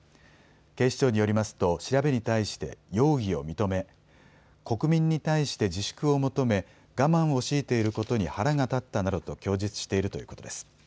警視庁によりますと調べに対して容疑を認め国民に対して自粛を求め我慢を強いていることに腹が立ったなどと供述しているということです。